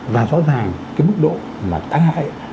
và rõ ràng cái mức độ mà tác hại